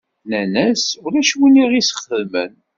Nnan-as: Ulac win i ɣ-isxedmen.